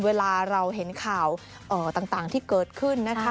เวลาเราเห็นข่าวต่างที่เกิดขึ้นนะคะ